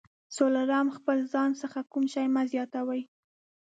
څلورم: د خپل ځان څخه کوم شی مه زیاتوئ.